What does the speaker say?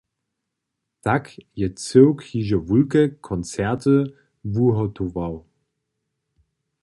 Tak je cyłk hižo wulke koncerty wuhotował.